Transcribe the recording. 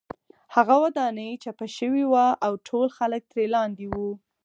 هغه ودانۍ چپه شوې وه او ټول خلک ترې لاندې وو